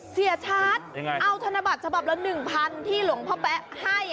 เสียชัดเอาธนบัตรฉบับละ๑๐๐ที่หลวงพ่อแป๊ะให้